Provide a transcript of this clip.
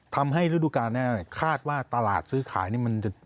ทำให้ฤดูการนี้คาดว่าตลาดซื้อขายนี่มันจะ